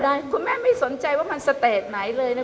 คุณแม่ไม่ถามคุณแม่ไม่สนใจว่ามันสเตรดไหนเลยนะ